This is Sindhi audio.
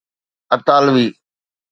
اطالوي